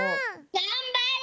がんばる！